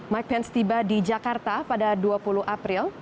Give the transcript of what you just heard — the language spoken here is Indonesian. mike pence tiba di jakarta pada dua puluh april